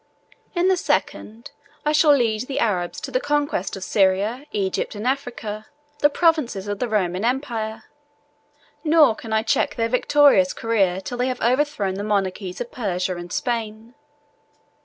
In the second, I shall lead the Arabs to the conquest of Syria, Egypt, and Africa, the provinces of the Roman empire; nor can I check their victorious career till they have overthrown the monarchies of Persia and Spain.